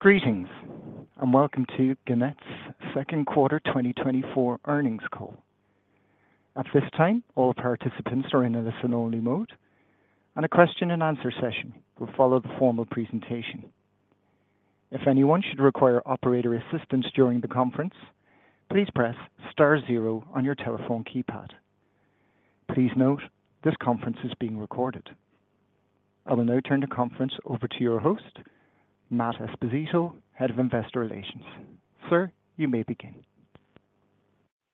Greetings and welcome to Gannett's second quarter 2024 earnings call. At this time, all participants are in a listen-only mode, and a question-and-answer session will follow the formal presentation. If anyone should require operator assistance during the conference, please press star zero on your telephone keypad. Please note this conference is being recorded. I will now turn the conference over to your host, Matt Esposito, Head of Investor Relations. Sir, you may begin.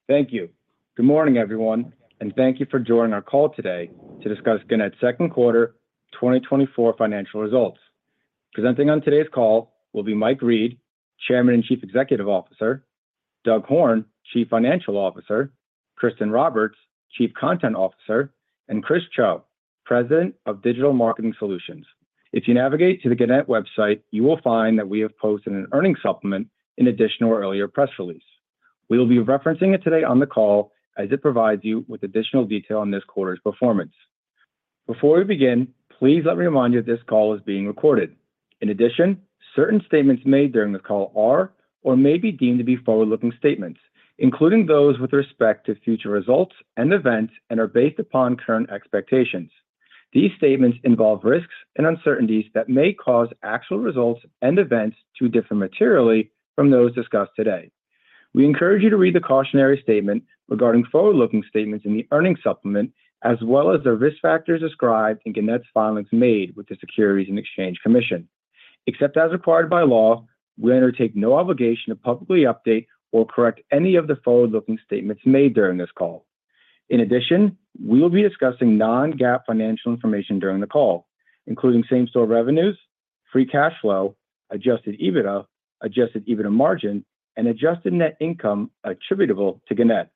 Thank you. Good morning, everyone, and thank you for joining our call today to discuss Gannett's second quarter 2024 financial results. Presenting on today's call will be Mike Reed, Chairman and Chief Executive Officer, Doug Horne, Chief Financial Officer, Kristin Roberts, Chief Content Officer, and Chris Cho, President of Digital Marketing Solutions. If you navigate to the Gannett website, you will find that we have posted an earnings supplement in addition to our earlier press release. We will be referencing it today on the call as it provides you with additional detail on this quarter's performance. Before we begin, please let me remind you that this call is being recorded. In addition, certain statements made during the call are or may be deemed to be forward-looking statements, including those with respect to future results and events, and are based upon current expectations. These statements involve risks and uncertainties that may cause actual results and events to differ materially from those discussed today. We encourage you to read the cautionary statement regarding forward-looking statements in the earnings supplement, as well as the risk factors described in Gannett's filings made with the Securities and Exchange Commission. Except as required by law, we undertake no obligation to publicly update or correct any of the forward-looking statements made during this call. In addition, we will be discussing non-GAAP financial information during the call, including same-store revenues, free cash flow, adjusted EBITDA, adjusted EBITDA margin, and adjusted net income attributable to Gannett.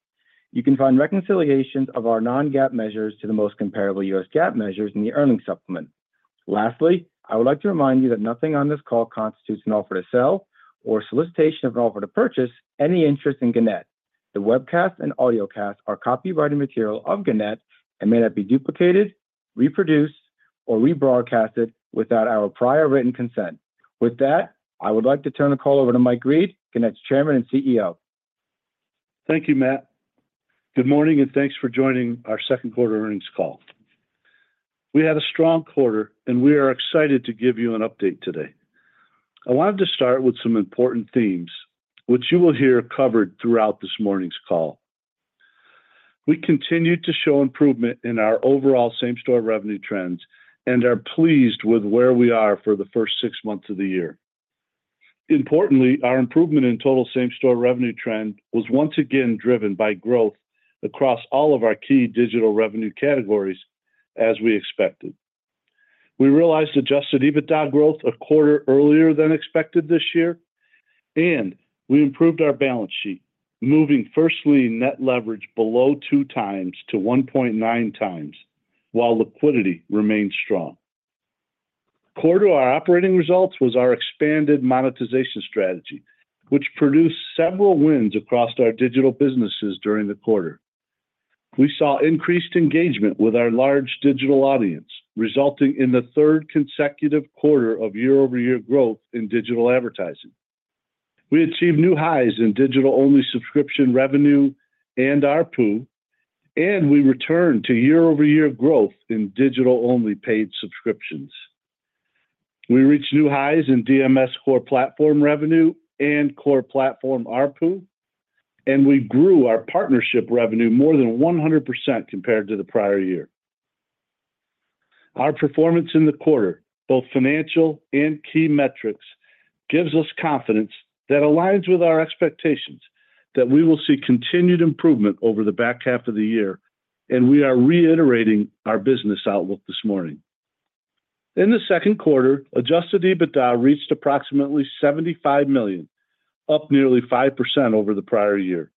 You can find reconciliations of our non-GAAP measures to the most comparable US GAAP measures in the earnings supplement. Lastly, I would like to remind you that nothing on this call constitutes an offer to sell or solicitation of an offer to purchase any interest in Gannett. The webcast and audiocast are copyrighted material of Gannett and may not be duplicated, reproduced, or rebroadcasted without our prior written consent. With that, I would like to turn the call over to Mike Reed, Gannett's Chairman and CEO. Thank you, Matt. Good morning, and thanks for joining our second quarter earnings call. We had a strong quarter, and we are excited to give you an update today. I wanted to start with some important themes, which you will hear covered throughout this morning's call. We continue to show improvement in our overall same-store revenue trends and are pleased with where we are for the first six months of the year. Importantly, our improvement in total same-store revenue trend was once again driven by growth across all of our key digital revenue categories, as we expected. We realized Adjusted EBITDA growth a quarter earlier than expected this year, and we improved our balance sheet, moving first-lien net leverage below two times to 1.9 times, while liquidity remained strong. Core to our operating results was our expanded monetization strategy, which produced several wins across our digital businesses during the quarter. We saw increased engagement with our large digital audience, resulting in the third consecutive quarter of year-over-year growth in digital advertising. We achieved new highs in digital-only subscription revenue and ARPU, and we returned to year-over-year growth in digital-only paid subscriptions. We reached new highs in DMS Core Platform revenue and Core Platform ARPU, and we grew our partnership revenue more than 100% compared to the prior year. Our performance in the quarter, both financial and key metrics, gives us confidence that aligns with our expectations that we will see continued improvement over the back half of the year, and we are reiterating our business outlook this morning. In the second quarter, Adjusted EBITDA reached approximately $75 million, up nearly 5% over the prior year.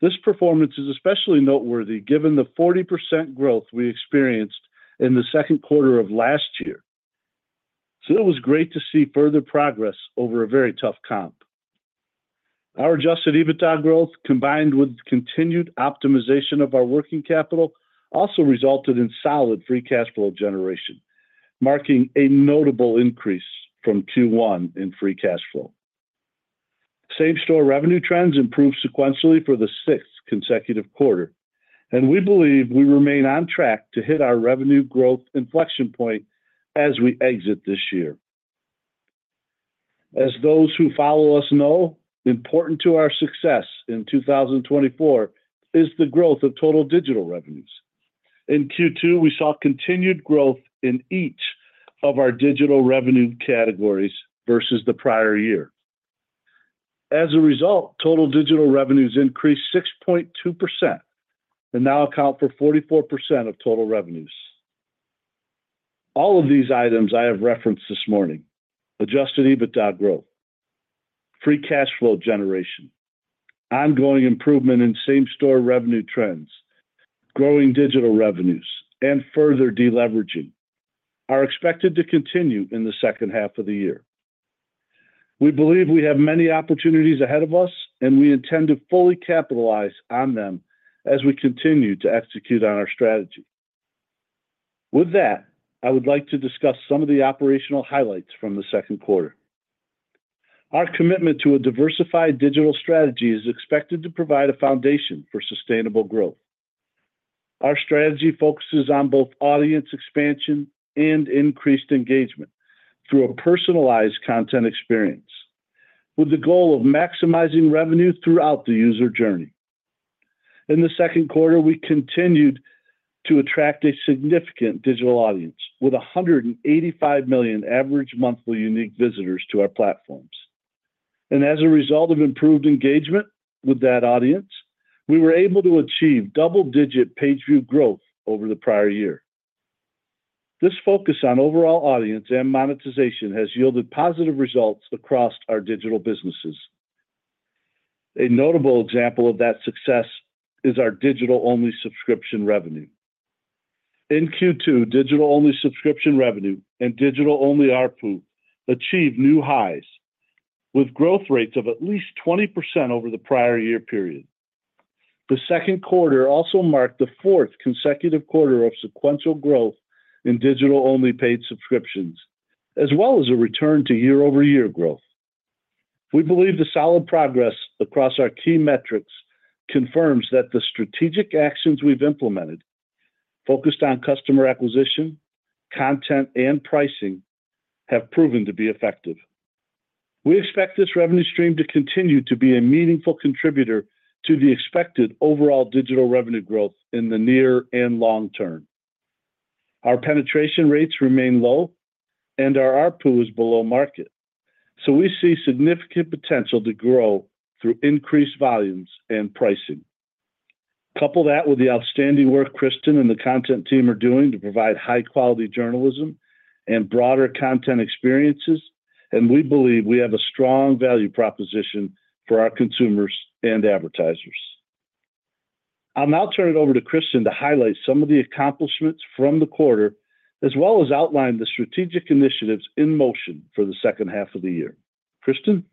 This performance is especially noteworthy given the 40% growth we experienced in the second quarter of last year. It was great to see further progress over a very tough comp. Our Adjusted EBITDA growth, combined with continued optimization of our working capital, also resulted in solid free cash flow generation, marking a notable increase from Q1 in free cash flow. Same-store revenue trends improved sequentially for the sixth consecutive quarter, and we believe we remain on track to hit our revenue growth inflection point as we exit this year. As those who follow us know, important to our success in 2024 is the growth of total digital revenues. In Q2, we saw continued growth in each of our digital revenue categories versus the prior year. As a result, total digital revenues increased 6.2% and now account for 44% of total revenues. All of these items I have referenced this morning: Adjusted EBITDA growth, free cash flow generation, ongoing improvement in same-store revenue trends, growing digital revenues, and further deleveraging are expected to continue in the second half of the year. We believe we have many opportunities ahead of us, and we intend to fully capitalize on them as we continue to execute on our strategy. With that, I would like to discuss some of the operational highlights from the second quarter. Our commitment to a diversified digital strategy is expected to provide a foundation for sustainable growth. Our strategy focuses on both audience expansion and increased engagement through a personalized content experience, with the goal of maximizing revenue throughout the user journey. In the second quarter, we continued to attract a significant digital audience with 185 million average monthly unique visitors to our platforms. As a result of improved engagement with that audience, we were able to achieve double-digit page view growth over the prior year. This focus on overall audience and monetization has yielded positive results across our digital businesses. A notable example of that success is our digital-only subscription revenue. In Q2, digital-only subscription revenue and digital-only ARPU achieved new highs, with growth rates of at least 20% over the prior year period. The second quarter also marked the fourth consecutive quarter of sequential growth in digital-only paid subscriptions, as well as a return to year-over-year growth. We believe the solid progress across our key metrics confirms that the strategic actions we've implemented, focused on customer acquisition, content, and pricing, have proven to be effective. We expect this revenue stream to continue to be a meaningful contributor to the expected overall digital revenue growth in the near and long term. Our penetration rates remain low, and our ARPU is below market, so we see significant potential to grow through increased volumes and pricing. Couple that with the outstanding work Kristin and the content team are doing to provide high-quality journalism and broader content experiences, and we believe we have a strong value proposition for our consumers and advertisers. I'll now turn it over to Kristin to highlight some of the accomplishments from the quarter, as well as outline the strategic initiatives in motion for the second half of the year. Kristin?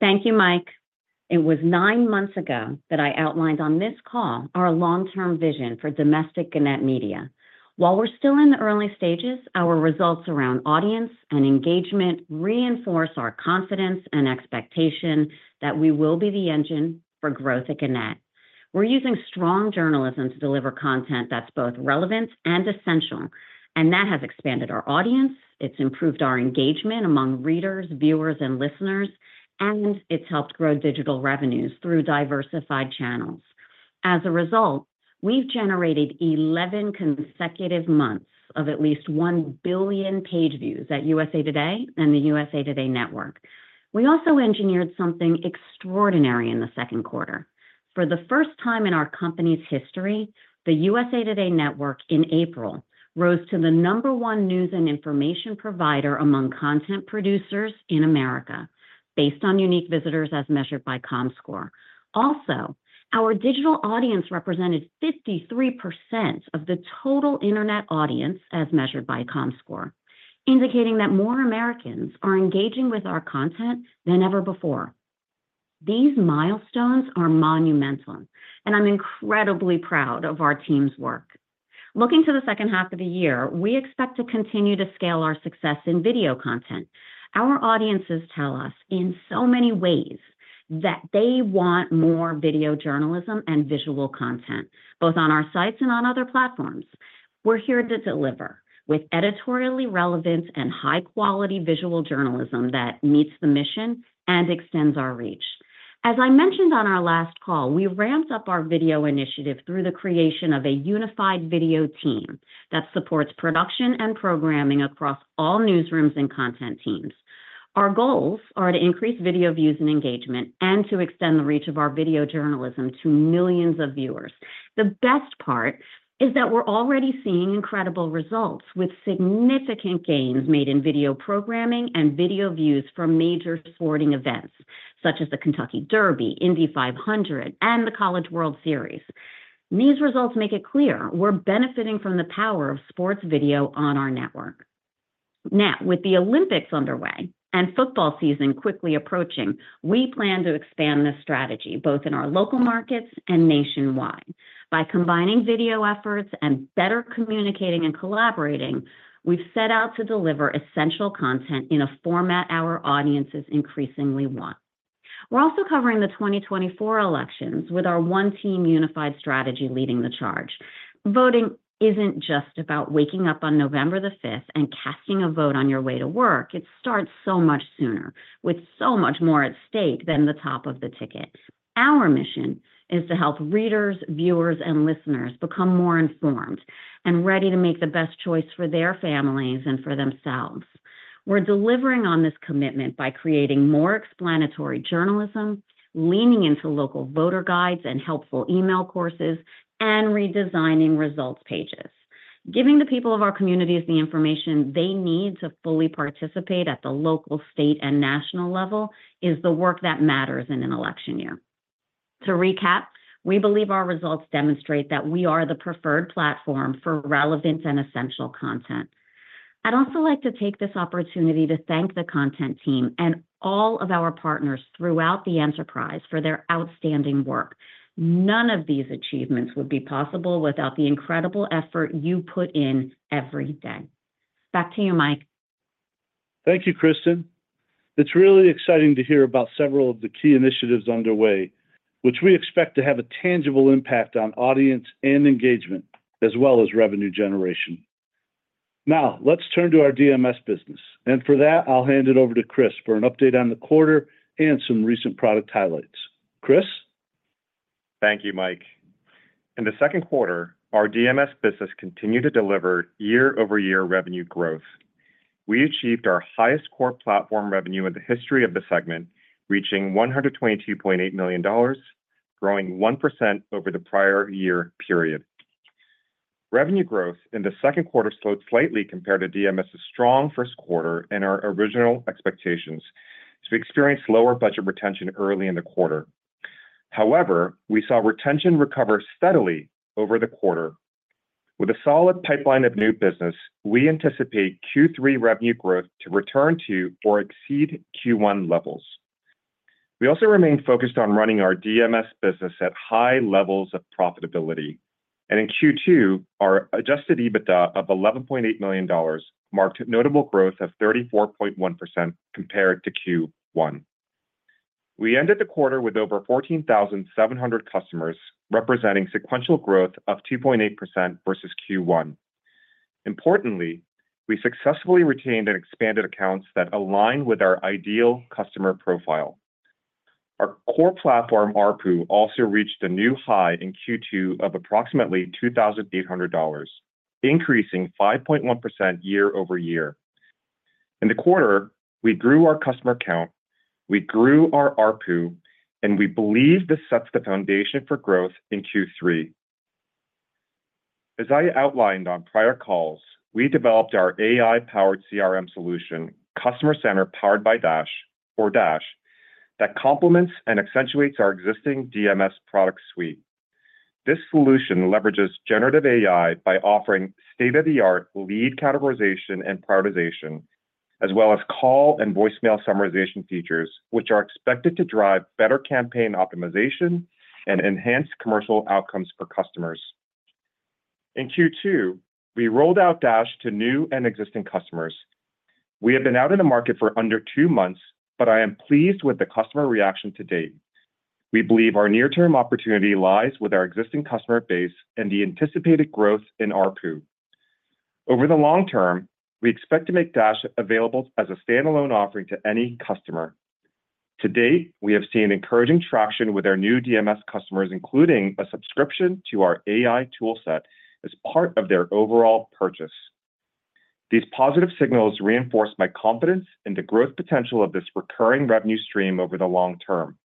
Thank you, Mike. It was nine months ago that I outlined on this call our long-term vision for Domestic Gannett Media. While we're still in the early stages, our results around audience and engagement reinforce our confidence and expectation that we will be the engine for growth at Gannett. We're using strong journalism to deliver content that's both relevant and essential, and that has expanded our audience. It's improved our engagement among readers, viewers, and listeners, and it's helped grow digital revenues through diversified channels. As a result, we've generated 11 consecutive months of at least 1 billion page views at USA TODAY and the USA TODAY NETWORK. We also engineered something extraordinary in the second quarter. For the first time in our company's history, the USA TODAY NETWORK in April rose to the number one news and information provider among content producers in America, based on unique visitors as measured by Comscore. Also, our digital audience represented 53% of the total internet audience as measured by Comscore, indicating that more Americans are engaging with our content than ever before. These milestones are monumental, and I'm incredibly proud of our team's work. Looking to the second half of the year, we expect to continue to scale our success in video content. Our audiences tell us in so many ways that they want more video journalism and visual content, both on our sites and on other platforms. We're here to deliver with editorially relevant and high-quality visual journalism that meets the mission and extends our reach. As I mentioned on our last call, we ramped up our video initiative through the creation of a unified video team that supports production and programming across all newsrooms and content teams. Our goals are to increase video views and engagement and to extend the reach of our video journalism to millions of viewers. The best part is that we're already seeing incredible results with significant gains made in video programming and video views from major sporting events such as the Kentucky Derby, Indy 500, and the College World Series. These results make it clear we're benefiting from the power of sports video on our network. Now, with the Olympics underway and football season quickly approaching, we plan to expand this strategy both in our local markets and nationwide. By combining video efforts and better communicating and collaborating, we've set out to deliver essential content in a format our audiences increasingly want. We're also covering the 2024 elections with our one-team unified strategy leading the charge. Voting isn't just about waking up on November the 5th and casting a vote on your way to work. It starts so much sooner, with so much more at stake than the top of the ticket. Our mission is to help readers, viewers, and listeners become more informed and ready to make the best choice for their families and for themselves. We're delivering on this commitment by creating more explanatory journalism, leaning into local voter guides and helpful email courses, and redesigning results pages. Giving the people of our communities the information they need to fully participate at the local, state, and national level is the work that matters in an election year. To recap, we believe our results demonstrate that we are the preferred platform for relevant and essential content. I'd also like to take this opportunity to thank the content team and all of our partners throughout the enterprise for their outstanding work. None of these achievements would be possible without the incredible effort you put in every day. Back to you, Mike. Thank you, Kristin. It's really exciting to hear about several of the key initiatives underway, which we expect to have a tangible impact on audience and engagement, as well as revenue generation. Now, let's turn to our DMS business, and for that, I'll hand it over to Chris for an update on the quarter and some recent product highlights. Chris? Thank you, Mike. In the second quarter, our DMS business continued to deliver year-over-year revenue growth. We achieved our highest Core Platform revenue in the history of the segment, reaching $122.8 million, growing 1% over the prior year period. Revenue growth in the second quarter slowed slightly compared to DMS's strong first quarter and our original expectations, as we experienced lower budget retention early in the quarter. However, we saw retention recover steadily over the quarter. With a solid pipeline of new business, we anticipate Q3 revenue growth to return to or exceed Q1 levels. We also remain focused on running our DMS business at high levels of profitability, and in Q2, our Adjusted EBITDA of $11.8 million marked a notable growth of 34.1% compared to Q1. We ended the quarter with over 14,700 customers, representing sequential growth of 2.8% versus Q1. Importantly, we successfully retained and expanded accounts that align with our ideal customer profile. Our Core Platform ARPU, also reached a new high in Q2 of approximately $2,800, increasing 5.1% year-over-year. In the quarter, we grew our customer count, we grew ARPU, and we believe this sets the foundation for growth in Q3. As I outlined on prior calls, we developed our AI-powered CRM solution, Customer Center Powered by Dash, or Dash, that complements and accentuates our existing DMS product suite. This solution leverages generative AI by offering state-of-the-art lead categorization and prioritization, as well as call and voicemail summarization features, which are expected to drive better campaign optimization and enhance commercial outcomes for customers. In Q2, we rolled out Dash to new and existing customers. We have been out in the market for under two months, but I am pleased with the customer reaction to date. We believe our near-term opportunity lies with our existing customer base and the anticipated growth in ARPU. Over the long term, we expect to make Dash available as a standalone offering to any customer. To date, we have seen encouraging traction with our new DMS customers, including a subscription to our AI toolset as part of their overall purchase. These positive signals reinforce my confidence in the growth potential of this recurring revenue stream over the long term.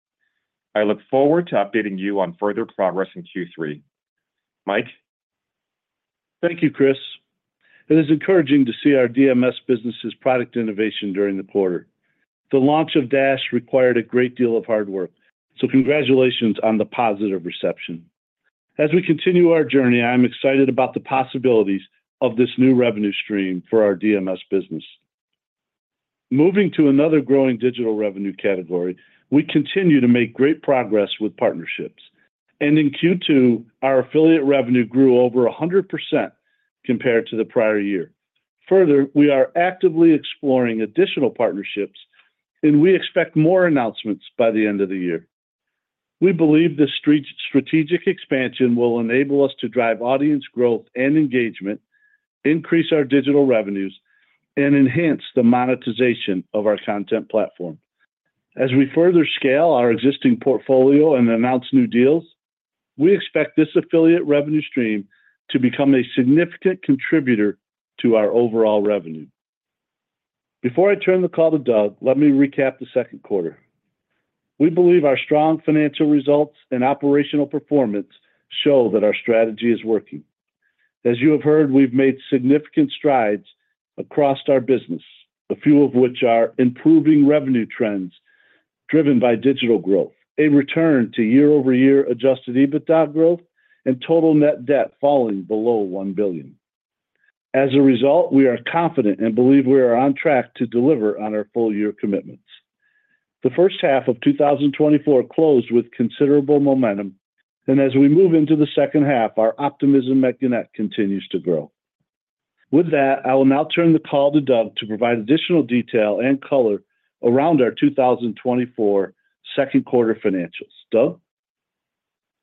I look forward to updating you on further progress in Q3. Mike. Thank you, Chris. It is encouraging to see our DMS business's product innovation during the quarter. The launch of Dash required a great deal of hard work, so congratulations on the positive reception. As we continue our journey, I'm excited about the possibilities of this new revenue stream for our DMS business. Moving to another growing digital revenue category, we continue to make great progress with partnerships. In Q2, our affiliate revenue grew over 100% compared to the prior year. Further, we are actively exploring additional partnerships, and we expect more announcements by the end of the year. We believe this strategic expansion will enable us to drive audience growth and engagement, increase our digital revenues, and enhance the monetization of our content platform. As we further scale our existing portfolio and announce new deals, we expect this affiliate revenue stream to become a significant contributor to our overall revenue. Before I turn the call to Doug, let me recap the second quarter. We believe our strong financial results and operational performance show that our strategy is working. As you have heard, we've made significant strides across our business, a few of which are improving revenue trends driven by digital growth, a return to year-over-year Adjusted EBITDA growth, and total net debt falling below $1 billion. As a result, we are confident and believe we are on track to deliver on our full-year commitments. The first half of 2024 closed with considerable momentum, and as we move into the second half, our optimism at Gannett continues to grow. With that, I will now turn the call to Doug to provide additional detail and color around our 2024 second quarter financials. Doug?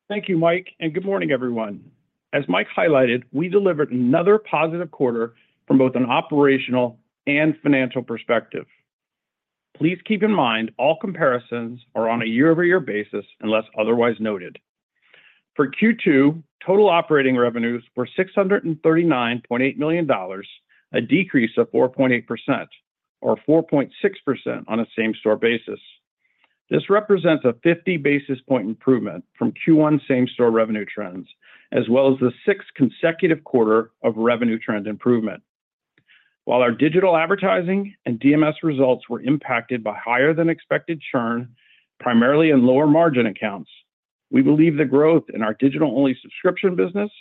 Thank you, Mike, and good morning, everyone. As Mike highlighted, we delivered another positive quarter from both an operational and financial perspective. Please keep in mind all comparisons are on a year-over-year basis unless otherwise noted. For Q2, total operating revenues were $639.8 million, a decrease of 4.8% or 4.6% on a same-store basis. This represents a 50 basis point improvement from Q1 same-store revenue trends, as well as the sixth consecutive quarter of revenue trend improvement. While our digital advertising and DMS results were impacted by higher-than-expected churn, primarily in lower-margin accounts, we believe the growth in our digital-only subscription business,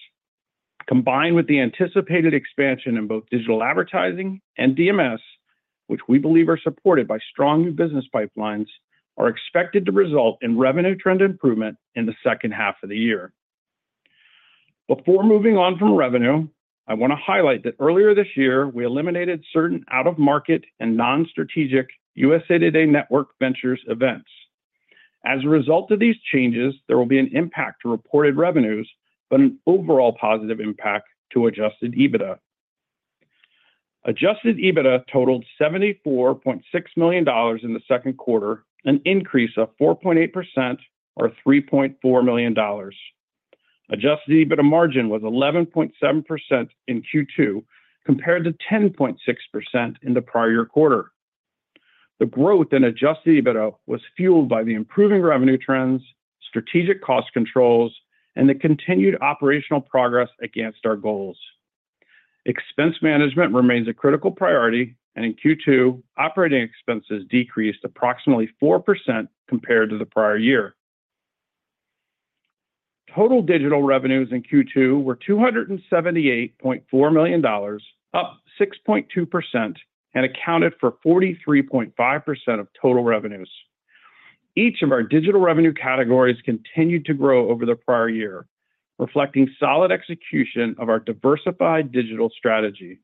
combined with the anticipated expansion in both digital advertising and DMS, which we believe are supported by strong new business pipelines, are expected to result in revenue trend improvement in the second half of the year. Before moving on from revenue, I want to highlight that earlier this year, we eliminated certain out-of-market and non-strategic USA TODAY NETWORK Ventures events. As a result of these changes, there will be an impact to reported revenues, but an overall positive impact to Adjusted EBITDA. Adjusted EBITDA totaled $74.6 million in the second quarter, an increase of 4.8% or $3.4 million. Adjusted EBITDA margin was 11.7% in Q2 compared to 10.6% in the prior quarter. The growth in Adjusted EBITDA was fueled by the improving revenue trends, strategic cost controls, and the continued operational progress against our goals. Expense management remains a critical priority, and in Q2, operating expenses decreased approximately 4% compared to the prior year. Total digital revenues in Q2 were $278.4 million, up 6.2%, and accounted for 43.5% of total revenues. Each of our digital revenue categories continued to grow over the prior year, reflecting solid execution of our diversified digital strategy.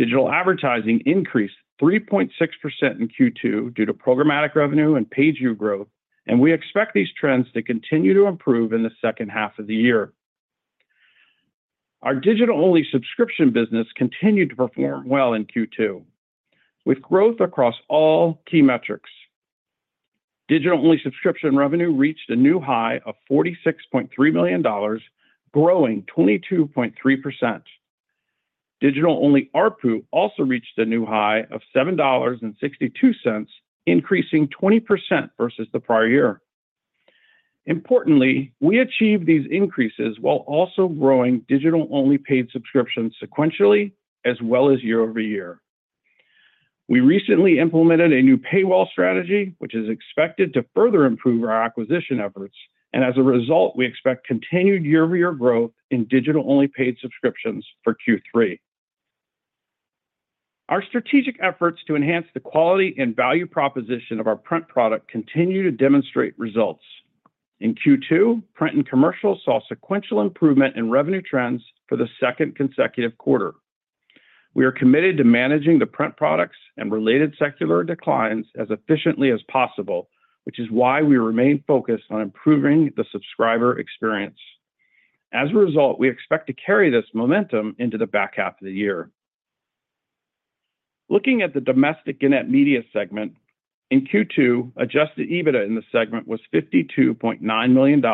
Digital advertising increased 3.6% in Q2 due to programmatic revenue and page view growth, and we expect these trends to continue to improve in the second half of the year. Our digital-only subscription business continued to perform well in Q2, with growth across all key metrics. Digital-only subscription revenue reached a new high of $46.3 million, growing 22.3%. Digital-only ARPU also reached a new high of $7.62, increasing 20% versus the prior year. Importantly, we achieved these increases while also growing digital-only paid subscriptions sequentially, as well as year-over-year. We recently implemented a new paywall strategy, which is expected to further improve our acquisition efforts, and as a result, we expect continued year-over-year growth in digital-only paid subscriptions for Q3. Our strategic efforts to enhance the quality and value proposition of our print product continue to demonstrate results. In Q2, print and commercial saw sequential improvement in revenue trends for the second consecutive quarter. We are committed to managing the print products and related secular declines as efficiently as possible, which is why we remain focused on improving the subscriber experience. As a result, we expect to carry this momentum into the back half of the year. Looking at the Domestic Gannett Media segment, in Q2, Adjusted EBITDA in the segment was $52.9 million,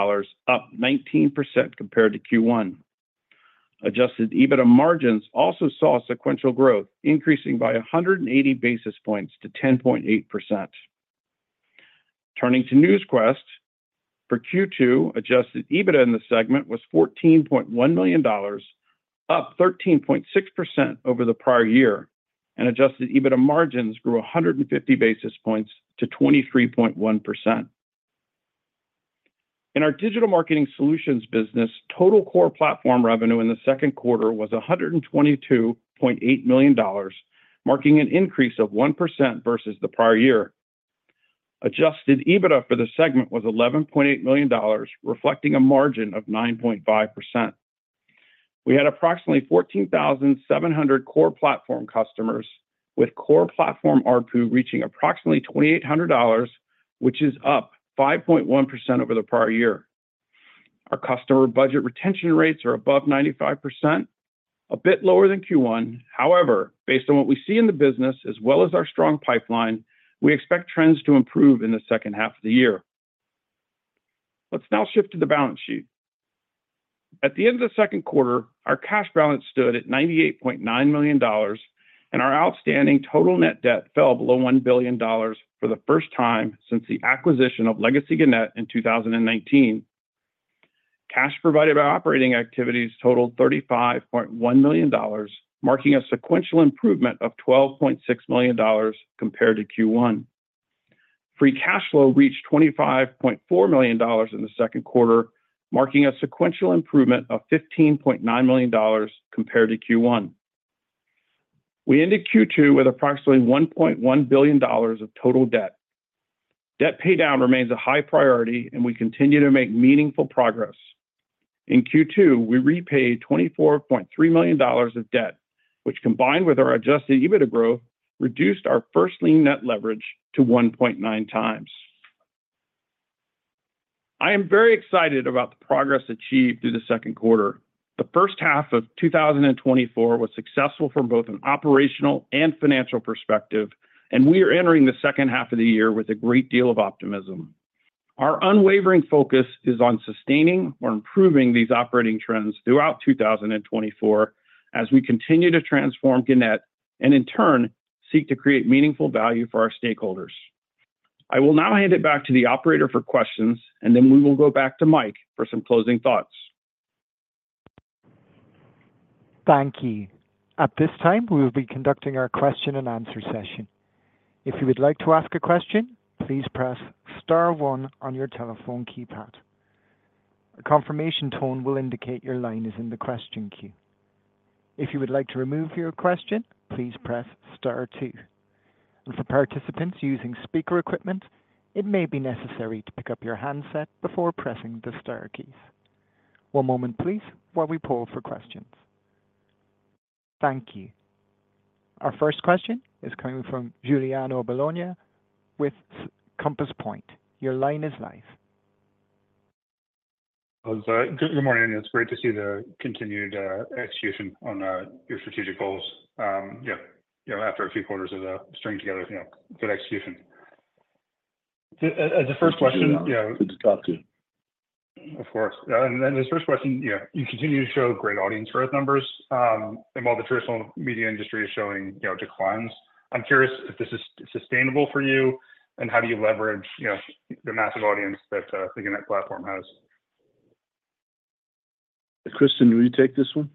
up 19% compared to Q1. Adjusted EBITDA margins also saw sequential growth, increasing by 180 basis points to 10.8%. Turning to Newsquest, for Q2, Adjusted EBITDA in the segment was $14.1 million, up 13.6% over the prior year, and Adjusted EBITDA margins grew 150 basis points to 23.1%. In our Digital Marketing Solutions business, total Core Platform revenue in the second quarter was $122.8 million, marking an increase of 1% versus the prior year. Adjusted EBITDA for the segment was $11.8 million, reflecting a margin of 9.5%. We had approximately 14,700 core platform customers, with Core Platform ARPU reaching approximately $2,800, which is up 5.1% over the prior year. Our customer budget retention rates are above 95%, a bit lower than Q1. However, based on what we see in the business, as well as our strong pipeline, we expect trends to improve in the second half of the year. Let's now shift to the balance sheet. At the end of the second quarter, our cash balance stood at $98.9 million, and our outstanding total net debt fell below $1 billion for the first time since the acquisition of Legacy Gannett in 2019. Cash provided by operating activities totaled $35.1 million, marking a sequential improvement of $12.6 million compared to Q1. Free cash flow reached $25.4 million in the second quarter, marking a sequential improvement of $15.9 million compared to Q1. We ended Q2 with approximately $1.1 billion of total debt. Debt paydown remains a high priority, and we continue to make meaningful progress. In Q2, we repaid $24.3 million of debt, which, combined with our Adjusted EBITDA growth, reduced our first-lien net leverage to 1.9 times. I am very excited about the progress achieved through the second quarter. The first half of 2024 was successful from both an operational and financial perspective, and we are entering the second half of the year with a great deal of optimism. Our unwavering focus is on sustaining or improving these operating trends throughout 2024 as we continue to transform Gannett and, in turn, seek to create meaningful value for our stakeholders. I will now hand it back to the operator for questions, and then we will go back to Mike for some closing thoughts. Thank you. At this time, we will be conducting our question-and-answer session. If you would like to ask a question, please press Star 1 on your telephone keypad. A confirmation tone will indicate your line is in the question queue. If you would like to remove your question, please press Star 2. And for participants using speaker equipment, it may be necessary to pick up your handset before pressing the Star keys. One moment, please, while we poll for questions. Thank you. Our first question is coming from Giuliano Bologna with Compass Point. Your line is live. I'm sorry. Good morning, and it's great to see the continued execution on your strategic goals. Yeah, after a few quarters of stringing together, good execution. As a first question. Good to talk to you. Of course. As a first question, you continue to show great audience growth numbers, and while the traditional media industry is showing declines, I'm curious if this is sustainable for you, and how do you leverage the massive audience that the Gannett platform has? Kristin, will you take this one?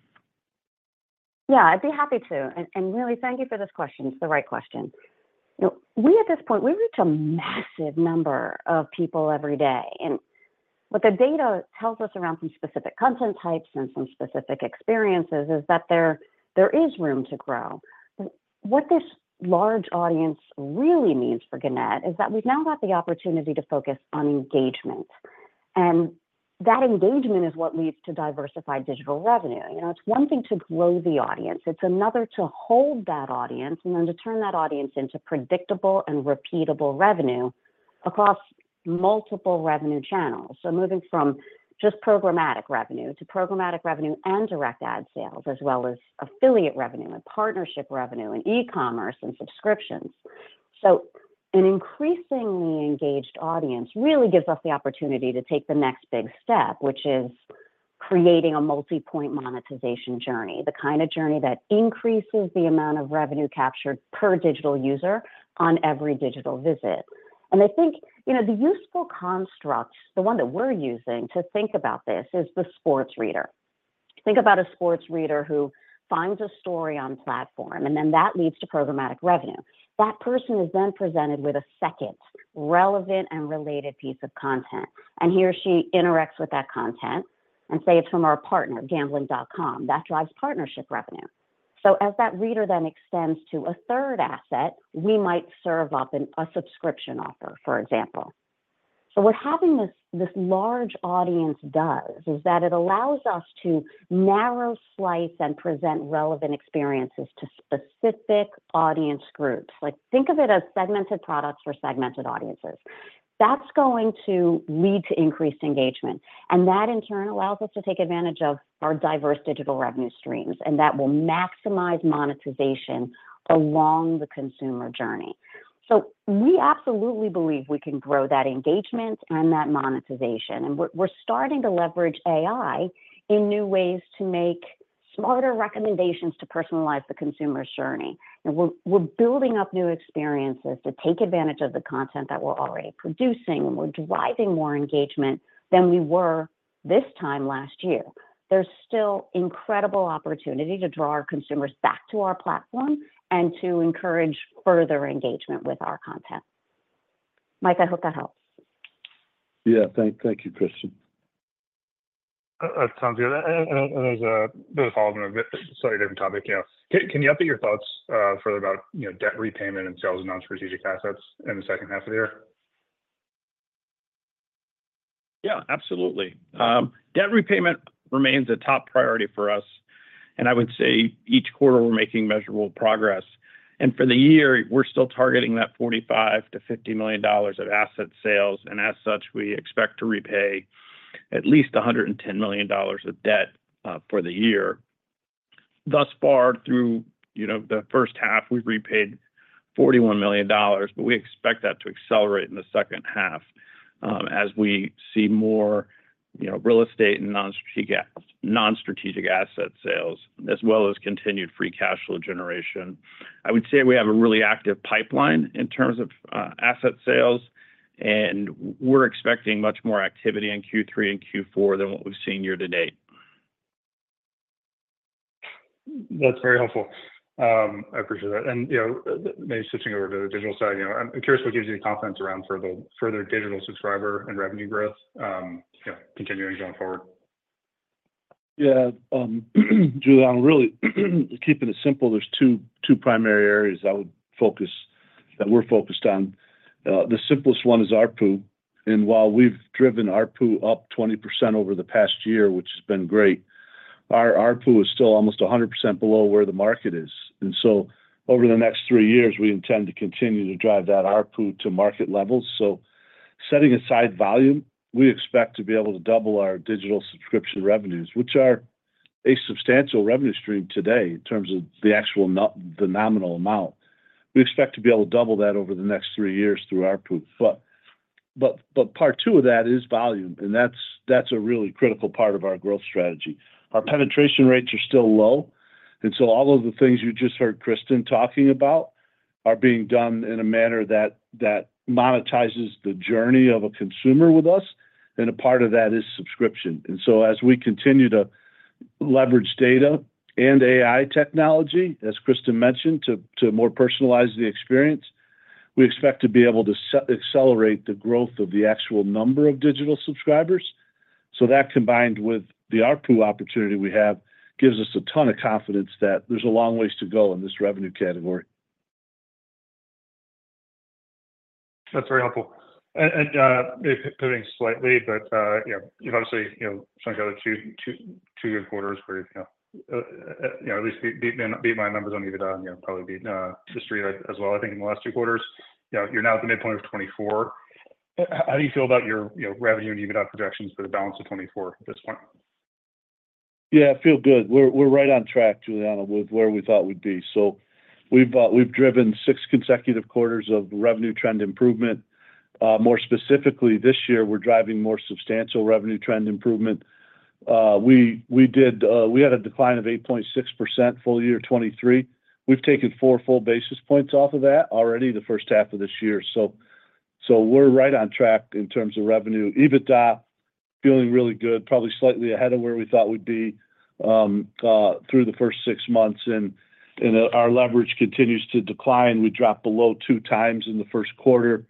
Yeah, I'd be happy to. And really, thank you for this question. It's the right question. We, at this point, we reach a massive number of people every day. And what the data tells us around some specific content types and some specific experiences is that there is room to grow. What this large audience really means for Gannett is that we've now got the opportunity to focus on engagement. And that engagement is what leads to diversified digital revenue. It's one thing to grow the audience. It's another to hold that audience and then to turn that audience into predictable and repeatable revenue across multiple revenue channels. So moving from just programmatic revenue to programmatic revenue and direct ad sales, as well as affiliate revenue and partnership revenue and e-commerce and subscriptions. So an increasingly engaged audience really gives us the opportunity to take the next big step, which is creating a multi-point monetization journey, the kind of journey that increases the amount of revenue captured per digital user on every digital visit. And I think the useful construct, the one that we're using to think about this, is the sports reader. Think about a sports reader who finds a story on platform, and then that leads to programmatic revenue. That person is then presented with a second relevant and related piece of content. And he or she interacts with that content and saves from our partner, Gambling.com. That drives partnership revenue. So as that reader then extends to a third asset, we might serve up a subscription offer, for example. So what having this large audience does is that it allows us to narrow slice and present relevant experiences to specific audience groups. Think of it as segmented products for segmented audiences. That's going to lead to increased engagement. And that, in turn, allows us to take advantage of our diverse digital revenue streams, and that will maximize monetization along the consumer journey. So we absolutely believe we can grow that engagement and that monetization. And we're starting to leverage AI in new ways to make smarter recommendations to personalize the consumer's journey. We're building up new experiences to take advantage of the content that we're already producing, and we're driving more engagement than we were this time last year. There's still incredible opportunity to draw our consumers back to our platform and to encourage further engagement with our content. Mike, I hope that helps. Yeah, thank you, Kristin. That sounds good. There's a follow-up on a slightly different topic. Can you update your thoughts further about debt repayment and sales of non-strategic assets in the second half of the year? Yeah, absolutely. Debt repayment remains a top priority for us. I would say each quarter we're making measurable progress. For the year, we're still targeting that $45-$50 million of asset sales. As such, we expect to repay at least $110 million of debt for the year. Thus far, through the first half, we've repaid $41 million, but we expect that to accelerate in the second half as we see more real estate and non-strategic asset sales, as well as continued free cash flow generation. I would say we have a really active pipeline in terms of asset sales, and we're expecting much more activity in Q3 and Q4 than what we've seen year to date. That's very helpful. I appreciate that. Maybe switching over to the digital side, I'm curious what gives you the confidence around further digital subscriber and revenue growth continuing going forward. Yeah, Giuliano, really keeping it simple, there's two primary areas that we're focused on. The simplest one is ARPU. And while we've driven our ARPU up 20% over the past year, which has been great, our ARPU is still almost 100% below where the market is. And so over the next three years, we intend to continue to drive that ARPU to market levels. So setting aside volume, we expect to be able to double our digital subscription revenues, which are a substantial revenue stream today in terms of the actual nominal amount. We expect to be able to double that over the next three years through our ARPU. But part two of that is volume, and that's a really critical part of our growth strategy. Our penetration rates are still low. And so all of the things you just heard Kristin talking about are being done in a manner that monetizes the journey of a consumer with us, and a part of that is subscription. And so as we continue to leverage data and AI technology, as Kristin mentioned, to more personalize the experience, we expect to be able to accelerate the growth of the actual number of digital subscribers. So that, combined with the ARPU opportunity we have, gives us a ton of confidence that there's a long ways to go in this revenue category. That's very helpful. Maybe pivoting slightly, but you've obviously shown us two good quarters where at least beat my numbers on EBITDA and probably beat the street as well. I think in the last two quarters, you're now at the midpoint of 2024. How do you feel about your revenue and EBITDA projections for the balance of 2024 at this point? Yeah, I feel good. We're right on track, Giuliano, with where we thought we'd be. So we've driven 6 consecutive quarters of revenue trend improvement. More specifically, this year, we're driving more substantial revenue trend improvement. We had a decline of 8.6% full year 2023. We've taken 4 full basis points off of that already the first half of this year. So we're right on track in terms of revenue. EBITDA feeling really good, probably slightly ahead of where we thought we'd be through the first 6 months. And our leverage continues to decline. We dropped below 2x in the first quarter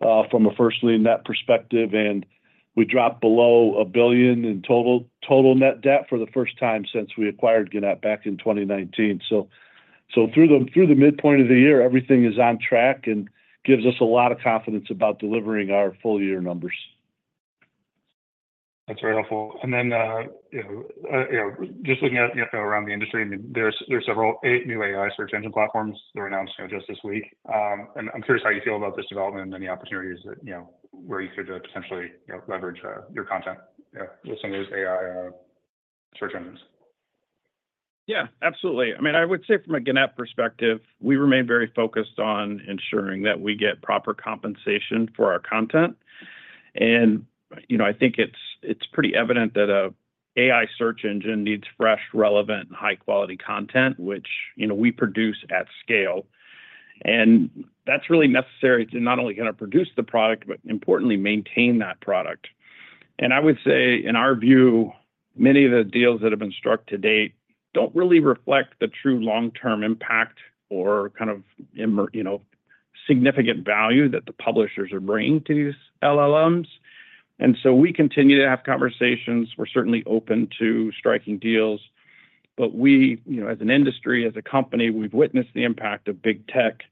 from a first-lien net perspective. And we dropped below $1 billion in total net debt for the first time since we acquired Gannett back in 2019. Through the midpoint of the year, everything is on track and gives us a lot of confidence about delivering our full-year numbers. That's very helpful. And then just looking around the industry, I mean, there are several, 8 new AI search engine platforms that were announced just this week. And I'm curious how you feel about this development and then the opportunities where you could potentially leverage your content with some of those AI search engines. Yeah, absolutely. I mean, I would say from a Gannett perspective, we remain very focused on ensuring that we get proper compensation for our content. And I think it's pretty evident that an AI search engine needs fresh, relevant, and high-quality content, which we produce at scale. And that's really necessary to not only kind of produce the product, but importantly, maintain that product. And I would say, in our view, many of the deals that have been struck to date don't really reflect the true long-term impact or kind of significant value that the publishers are bringing to these LLMs. And so we continue to have conversations. We're certainly open to striking deals. But we, as an industry, as a company, we've witnessed the impact of big tech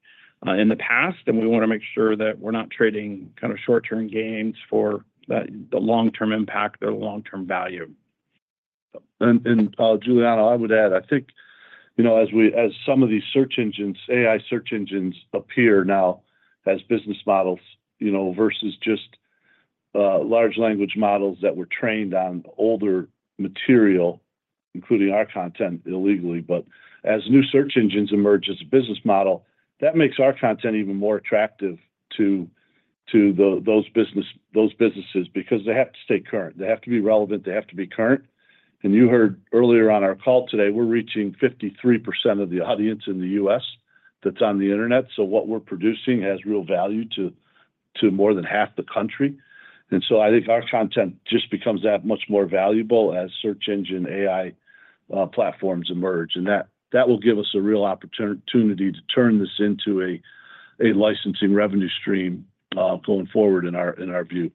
in the past, and we want to make sure that we're not trading kind of short-term gains for the long-term impact or the long-term value. And Giuliano, I would add, I think as some of these search engines, AI search engines appear now as business models versus just large language models that were trained on older material, including our content, illegally. But as new search engines emerge as a business model, that makes our content even more attractive to those businesses because they have to stay current. They have to be relevant. They have to be current. And you heard earlier on our call today, we're reaching 53% of the audience in the U.S. that's on the internet. So what we're producing has real value to more than half the country. And so I think our content just becomes that much more valuable as search engine AI platforms emerge. And that will give us a real opportunity to turn this into a licensing revenue stream going forward in our view.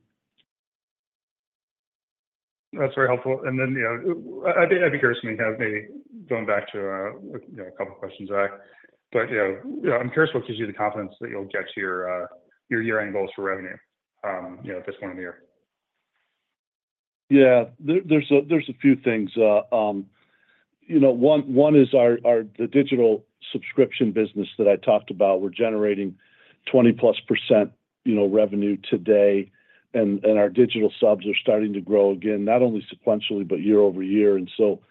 That's very helpful. And then I'd be curious when you have maybe going back to a couple of questions back. But I'm curious what gives you the confidence that you'll get to your year-end goals for revenue at this point in the year. Yeah, there's a few things. One is the digital subscription business that I talked about. We're generating 20% plus revenue today. And our digital subs are starting to grow again, not only sequentially, but year-over-year. And so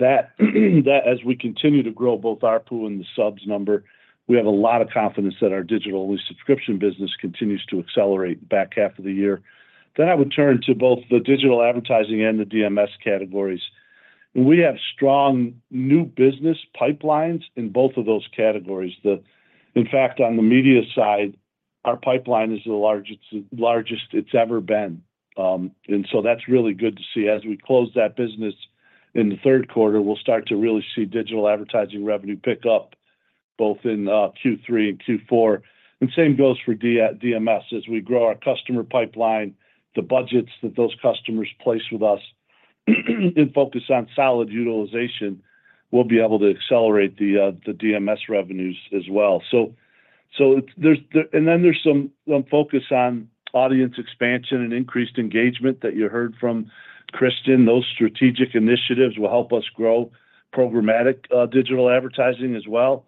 as we continue to grow both ARPU and the subs number, we have a lot of confidence that our digital subscription business continues to accelerate back half of the year. Then I would turn to both the digital advertising and the DMS categories. And we have strong new business pipelines in both of those categories. In fact, on the media side, our pipeline is the largest it's ever been. And so that's really good to see. As we close that business in the third quarter, we'll start to really see digital advertising revenue pick up both in Q3 and Q4. And same goes for DMS. As we grow our customer pipeline, the budgets that those customers place with us and focus on solid utilization, we'll be able to accelerate the DMS revenues as well. And then there's some focus on audience expansion and increased engagement that you heard from Kristin. Those strategic initiatives will help us grow programmatic digital advertising as well.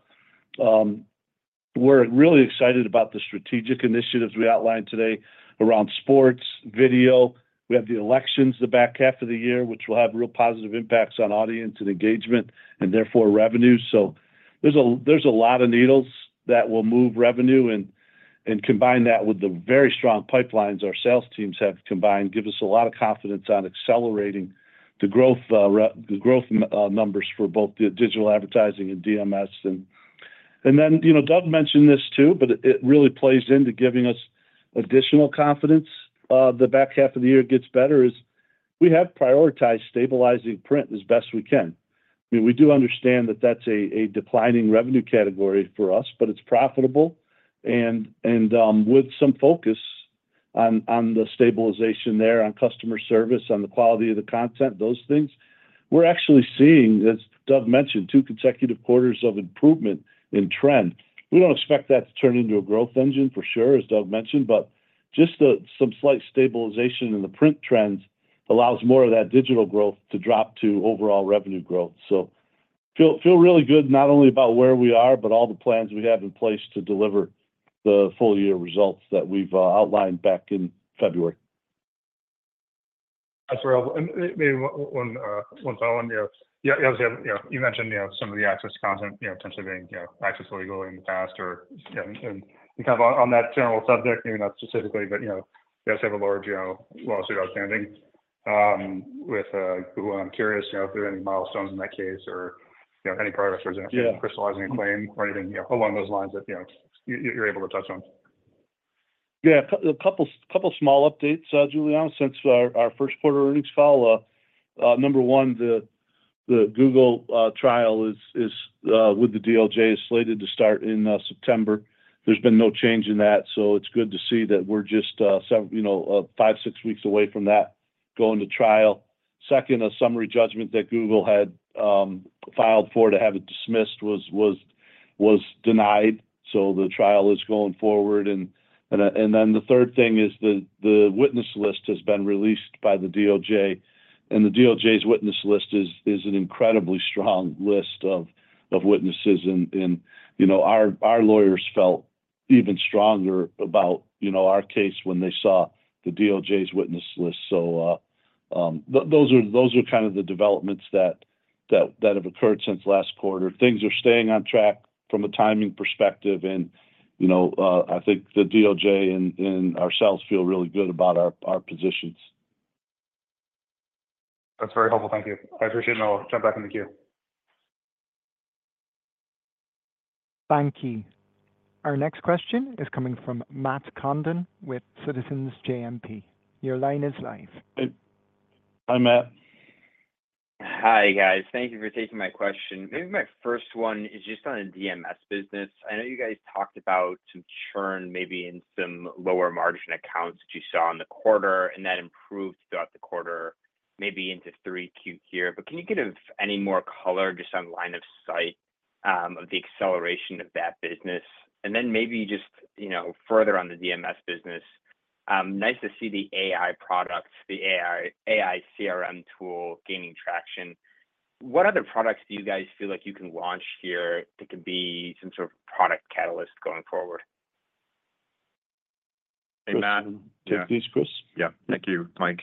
We're really excited about the strategic initiatives we outlined today around sports, video. We have the elections the back half of the year, which will have real positive impacts on audience and engagement and therefore revenue. So there's a lot of needles that will move revenue. And combine that with the very strong pipelines our sales teams have combined gives us a lot of confidence on accelerating the growth numbers for both the digital advertising and DMS. And then Doug mentioned this too, but it really plays into giving us additional confidence. The back half of the year gets better as we have prioritized stabilizing print as best we can. I mean, we do understand that that's a declining revenue category for us, but it's profitable. And with some focus on the stabilization there, on customer service, on the quality of the content, those things, we're actually seeing, as Doug mentioned, two consecutive quarters of improvement in trend. We don't expect that to turn into a growth engine for sure, as Doug mentioned, but just some slight stabilization in the print trends allows more of that digital growth to drop to overall revenue growth. So feel really good not only about where we are, but all the plans we have in place to deliver the full-year results that we've outlined back in February. That's very helpful. And maybe one follow-up on that. You mentioned some of the accessed content potentially being accessed illegally in the past. And kind of on that general subject, maybe not specifically, but you also have a large lawsuit outstanding with Google. I'm curious if there are any milestones in that case or any progress towards crystallizing a claim or anything along those lines that you're able to touch on. Yeah, a couple of small updates, Giuliano. Since our first quarter earnings file, number one, the Google trial with the DOJ is slated to start in September. There's been no change in that. So it's good to see that we're just five, six weeks away from that going to trial. Second, a summary judgment that Google had filed for to have it dismissed was denied. So the trial is going forward. And then the third thing is the witness list has been released by the DOJ. And the DOJ's witness list is an incredibly strong list of witnesses. And our lawyers felt even stronger about our case when they saw the DOJ's witness list. So those are kind of the developments that have occurred since last quarter. Things are staying on track from a timing perspective. And I think the DOJ and ourselves feel really good about our positions. That's very helpful. Thank you. I appreciate it, and I'll jump back into Q. Thank you. Our next question is coming from Matt Condon with Citizens JMP. Your line is live. Hi, Matt. Hi, guys. Thank you for taking my question. Maybe my first one is just on the DMS business. I know you guys talked about some churn maybe in some lower margin accounts that you saw in the quarter, and that improved throughout the quarter, maybe into 3Q here. But can you give any more color just on line of sight of the acceleration of that business? And then maybe just further on the DMS business, nice to see the AI products, the AI CRM tool gaining traction. What other products do you guys feel like you can launch here that could be some sort of product catalyst going forward? Hey, Matt, take these, Chris. Yeah. Thank you, Mike.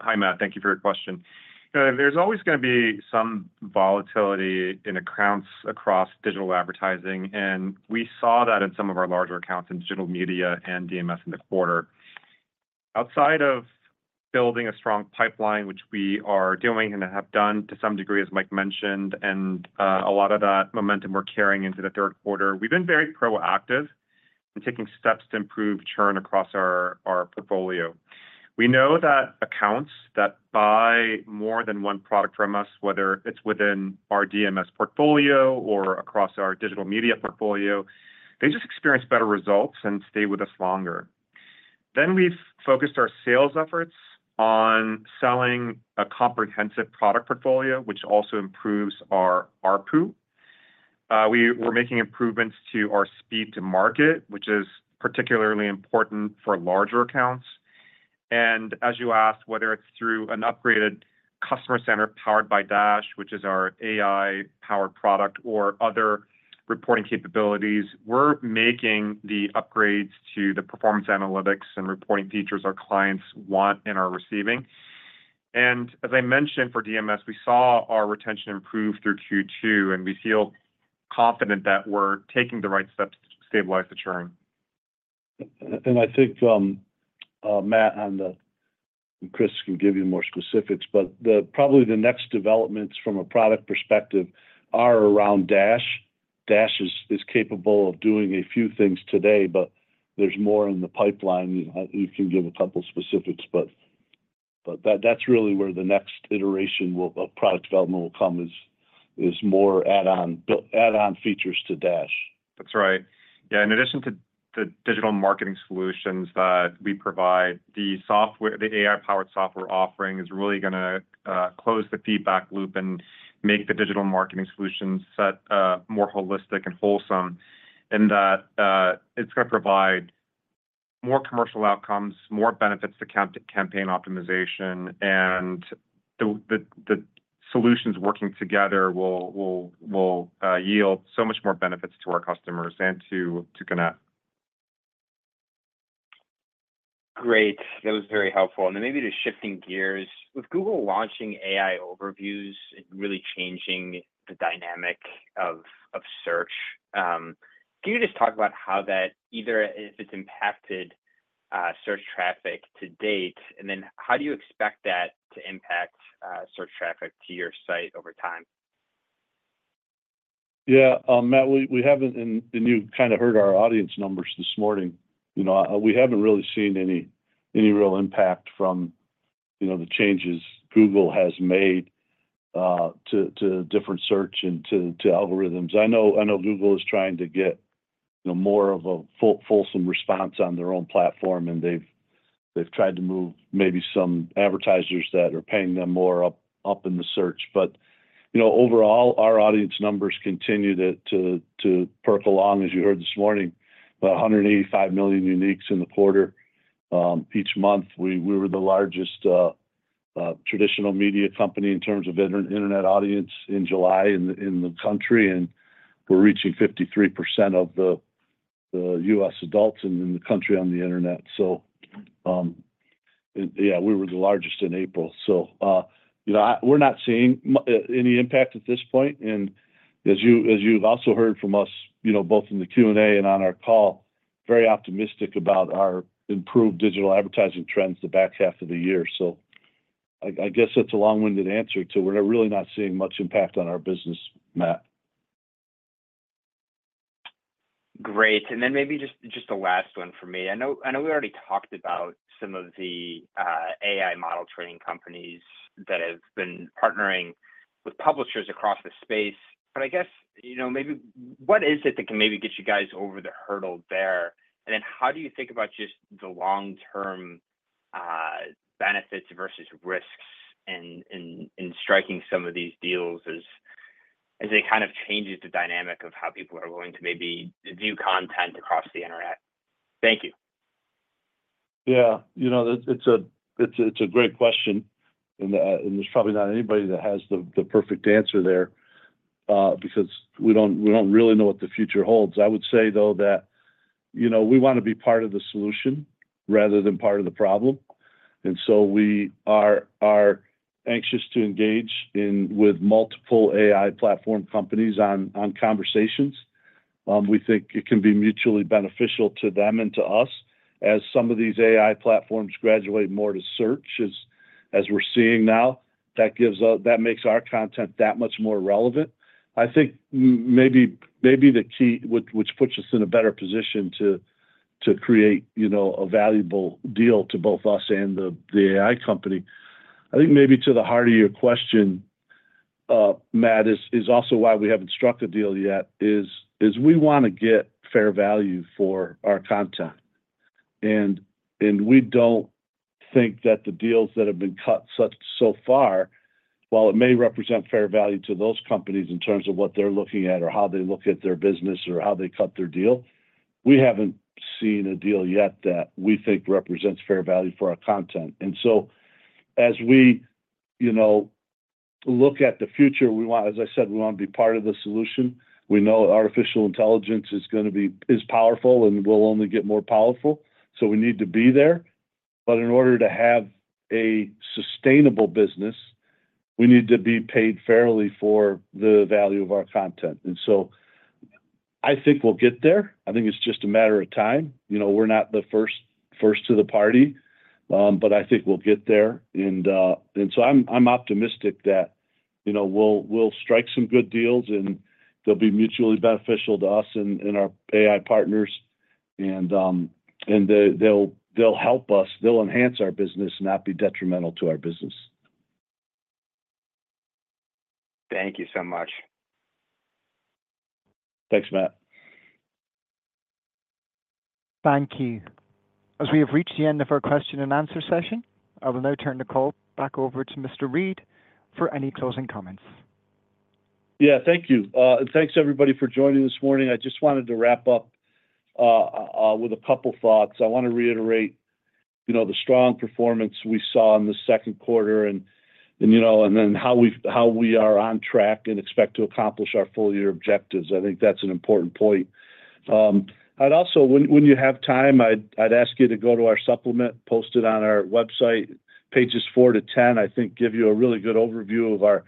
Hi, Matt. Thank you for your question. There's always going to be some volatility in accounts across digital advertising. And we saw that in some of our larger accounts in digital media and DMS in the quarter. Outside of building a strong pipeline, which we are doing and have done to some degree, as Mike mentioned, and a lot of that momentum we're carrying into the third quarter, we've been very proactive in taking steps to improve churn across our portfolio. We know that accounts that buy more than one product from us, whether it's within our DMS portfolio or across our digital media portfolio, they just experience better results and stay with us longer. Then we've focused our sales efforts on selling a comprehensive product portfolio, which also improves our ARPU. We're making improvements to our speed to market, which is particularly important for larger accounts. As you asked, whether it's through an upgraded Customer Center Powered by Dash, which is our AI-powered product, or other reporting capabilities, we're making the upgrades to the performance analytics and reporting features our clients want and are receiving. As I mentioned, for DMS, we saw our retention improve through Q2, and we feel confident that we're taking the right steps to stabilize the churn. I think, Matt, and Chris can give you more specifics, but probably the next developments from a product perspective are around Dash. Dash is capable of doing a few things today, but there's more in the pipeline. You can give a couple of specifics, but that's really where the next iteration of product development will come is more add-on features to Dash. That's right. Yeah. In addition to the Digital Marketing Solutions that we provide, the AI-powered software offering is really going to close the feedback loop and make the Digital Marketing Solutions more holistic and wholesome. That it's going to provide more commercial outcomes, more benefits to campaign optimization. The solutions working together will yield so much more benefits to our customers and to Gannett. Great. That was very helpful. Then maybe just shifting gears, with Google launching AI Overviews and really changing the dynamic of search, can you just talk about how that either if it's impacted search traffic to date, and then how do you expect that to impact search traffic to your site over time? Yeah. Matt, we haven't, and you kind of heard our audience numbers this morning, we haven't really seen any real impact from the changes Google has made to different search and to algorithms. I know Google is trying to get more of a fulsome response on their own platform, and they've tried to move maybe some advertisers that are paying them more up in the search. But overall, our audience numbers continue to perk along, as you heard this morning, about 185 million uniques in the quarter each month. We were the largest traditional media company in terms of internet audience in July in the country, and we're reaching 53% of the U.S. adults in the country on the internet. So yeah, we were the largest in April. So we're not seeing any impact at this point. As you've also heard from us, both in the Q&A and on our call, very optimistic about our improved digital advertising trends the back half of the year. So I guess that's a long-winded answer to we're really not seeing much impact on our business, Matt. Great. And then maybe just a last one for me. I know we already talked about some of the AI model training companies that have been partnering with publishers across the space. But I guess maybe what is it that can maybe get you guys over the hurdle there? And then how do you think about just the long-term benefits versus risks in striking some of these deals as it kind of changes the dynamic of how people are willing to maybe view content across the internet? Thank you. Yeah. It's a great question. There's probably not anybody that has the perfect answer there because we don't really know what the future holds. I would say, though, that we want to be part of the solution rather than part of the problem. So we are anxious to engage with multiple AI platform companies on conversations. We think it can be mutually beneficial to them and to us as some of these AI platforms graduate more to search, as we're seeing now. That makes our content that much more relevant. I think maybe the key, which puts us in a better position to create a valuable deal to both us and the AI company. I think maybe to the heart of your question, Matt, is also why we haven't struck a deal yet, is we want to get fair value for our content. And we don't think that the deals that have been cut so far, while it may represent fair value to those companies in terms of what they're looking at or how they look at their business or how they cut their deal, we haven't seen a deal yet that we think represents fair value for our content. And so as we look at the future, as I said, we want to be part of the solution. We know artificial intelligence is powerful and will only get more powerful. So we need to be there. But in order to have a sustainable business, we need to be paid fairly for the value of our content. And so I think we'll get there. I think it's just a matter of time. We're not the first to the party, but I think we'll get there. I'm optimistic that we'll strike some good deals, and they'll be mutually beneficial to us and our AI partners. They'll help us. They'll enhance our business and not be detrimental to our business. Thank you so much. Thanks, Matt. Thank you. As we have reached the end of our question and answer session, I will now turn the call back over to Mr. Reed for any closing comments. Yeah, thank you. Thanks, everybody, for joining this morning. I just wanted to wrap up with a couple of thoughts. I want to reiterate the strong performance we saw in the second quarter and then how we are on track and expect to accomplish our full-year objectives. I think that's an important point. Also, when you have time, I'd ask you to go to our supplement posted on our website, pages 4-10. I think it gives you a really good overview of our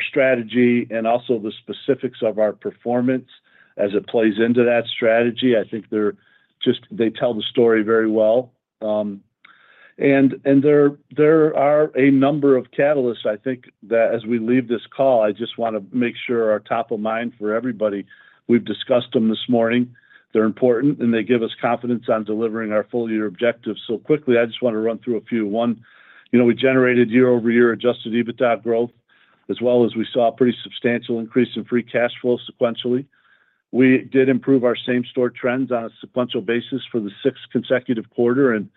strategy and also the specifics of our performance as it plays into that strategy. I think they tell the story very well. There are a number of catalysts, I think, that as we leave this call, I just want to make sure are top of mind for everybody. We've discussed them this morning. They're important, and they give us confidence on delivering our full-year objectives so quickly. I just want to run through a few. One, we generated year-over-year Adjusted EBITDA growth, as well as we saw a pretty substantial increase in free cash flow sequentially. We did improve our same-store trends on a sequential basis for the sixth consecutive quarter, and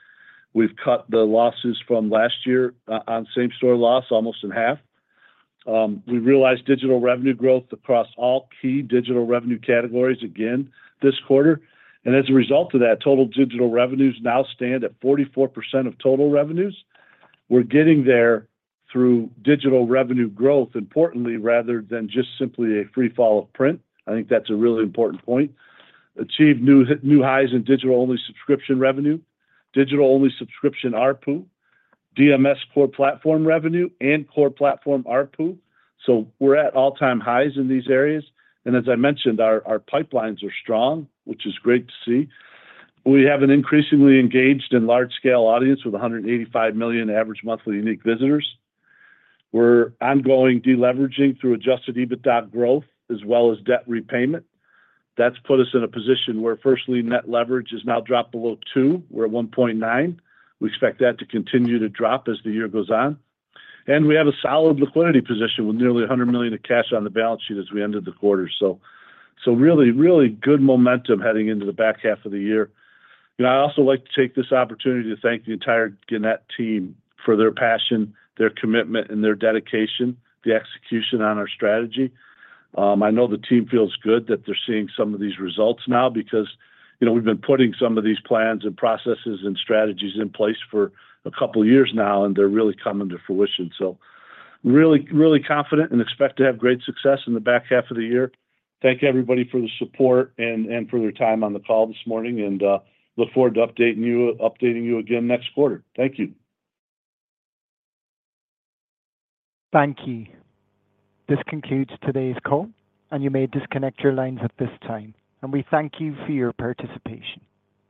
we've cut the losses from last year on same-store loss almost in half. We realized digital revenue growth across all key digital revenue categories again this quarter. And as a result of that, total digital revenues now stand at 44% of total revenues. We're getting there through digital revenue growth, importantly, rather than just simply a free fall of print. I think that's a really important point. Achieved new highs in digital-only subscription revenue, digital-only subscription RPU, DMS Core Platform revenue, and Core Platform RPU. So we're at all-time highs in these areas. And as I mentioned, our pipelines are strong, which is great to see. We have an increasingly engaged and large-scale audience with 185 million average monthly unique visitors. We're ongoing deleveraging through Adjusted EBITDA growth as well as debt repayment. That's put us in a position where, firstly, net leverage has now dropped below two. We're at 1.9. We expect that to continue to drop as the year goes on. And we have a solid liquidity position with nearly $100 million in cash on the balance sheet as we ended the quarter. So really, really good momentum heading into the back half of the year. I also like to take this opportunity to thank the entire Gannett team for their passion, their commitment, and their dedication, the execution on our strategy. I know the team feels good that they're seeing some of these results now because we've been putting some of these plans and processes and strategies in place for a couple of years now, and they're really coming to fruition. So really, really confident and expect to have great success in the back half of the year. Thank you, everybody, for the support and for your time on the call this morning, and look forward to updating you again next quarter. Thank you. Thank you. This concludes today's call, and you may disconnect your lines at this time. We thank you for your participation.